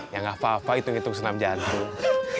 ya nggak apa apa hitung hitung senam jantung